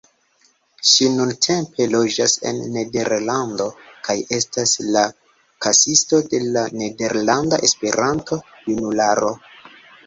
Ŝi nuntempe loĝas en Nederlando kaj estas la kasisto de la Nederlanda Esperanto-Junularo.